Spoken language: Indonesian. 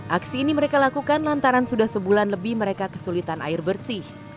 aksi ini mereka lakukan lantaran sudah sebulan lebih mereka kesulitan air bersih